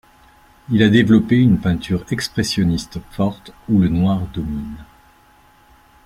Il a développé une peinture expressionniste forte, où le noir domine.